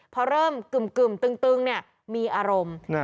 พอเริ่มกึ่มกึ่มตึงตึงเนี่ยมีอารมณ์